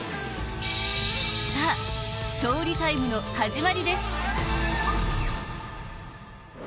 さあ、尚里タイムの始まりです。